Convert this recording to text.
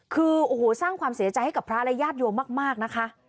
คือโอ้โหสร้างความเสียใจให้กับพระและญาติโยมมากนะคะ